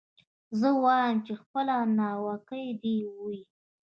زه وايم چي خپله ناوکۍ دي وي